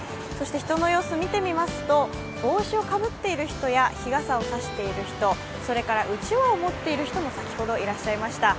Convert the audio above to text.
人の様子、見てみますと帽子をかぶっている人や日傘を差している人それからうちわを持っている人も先ほどいらっしゃいました。